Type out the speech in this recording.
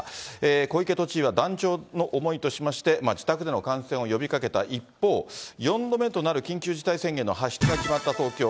小池都知事は断腸の思いとしまして、自宅での観戦を呼びかけた一方、４度目となる緊急事態宣言の発出が決まった東京。